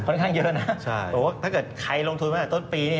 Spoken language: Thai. ค่อนข้างเยอะแล้วนะถ้าเกิดใครลงทุนมาตั้งแต่ต้นปีนี้